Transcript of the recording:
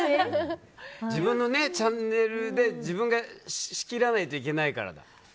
自分のチャンネルで自分が仕切らないといけないからだ。